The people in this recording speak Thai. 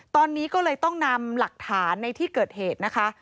ตอนนี้ก็เลยต้องนำหลักฐานในที่เกิดเหตุนะคะ